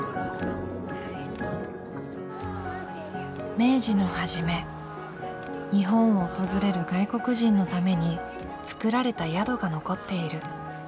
明治の初め日本を訪れる外国人のために作られた宿が残っている。